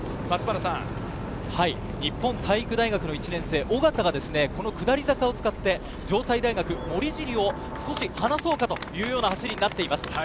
日本体育大学の１年生・尾方が下り坂を使って城西大・森尻を少し離そうかというような走りになっています。